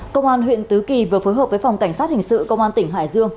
công an huyện tứ kỳ vừa phối hợp với phòng cảnh sát hình sự công an tỉnh hải dương